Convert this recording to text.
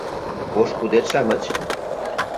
Пошкудет-шамыч?